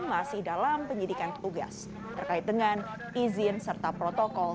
masih dalam penyidikan petugas terkait dengan izin serta protokol